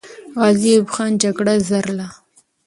غازي ایوب خان جګړه ځارله.